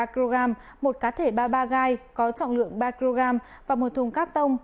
ba kg một cá thể ba mươi ba gai có trọng lượng ba kg và một thùng cát tông